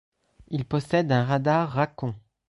Il possède un radar Racon.